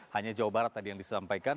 hanya jawa barat tadi yang disampaikan